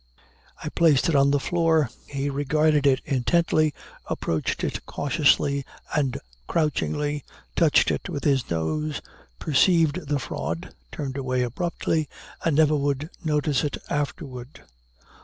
I placed it on the floor. He regarded it intently, approached it cautiously and crouchingly, touched it with his nose, perceived the fraud, turned away abruptly, and never would notice it afterward.